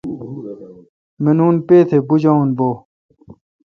منون پے تھہ بُجاوون بو°